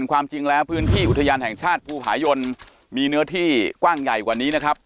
ความจริงแล้วพื้นที่อุทยานแห่งชาติภูผายนมีเนื้อที่กว้างใหญ่กว่านี้นะครับ